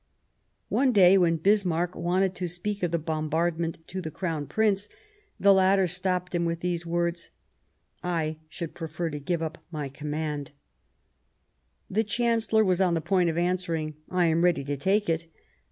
One day, when Bismarck wanted to speak of the bombardment to the Crown Prince, the latter stopped him with these words : "I should prefer giving up my command." The Chancellor was on the point of answering :" I am ready to take it.